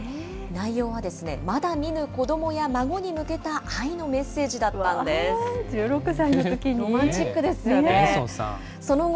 内容はですね、まだ見ぬ子どもや孫に向けた愛のメッセージだった１６歳のときに？